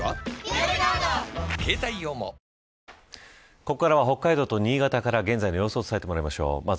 ここからは北海道と新潟から現在の様子を伝えてもらいましょう。